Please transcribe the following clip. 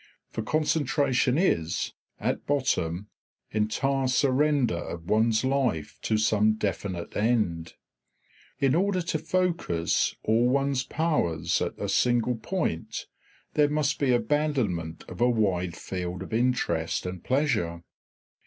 For concentration is, at bottom, entire surrender of one's life to some definite end. In order to focus all one's powers at a single point, there must be abandonment of a wide field of interest and pleasure.